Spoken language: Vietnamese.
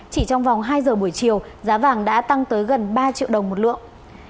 chỉ trong vòng hai giờ buổi chiều giá vàng đã tăng tới gần ba triệu đồng một lượng